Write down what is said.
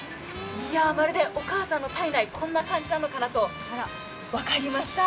まるでお母さんの胎内、こんな感じなのかなと分かりました。